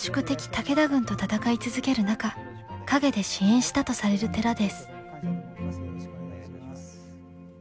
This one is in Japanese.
武田軍と戦い続ける中陰で支援したとされる寺です。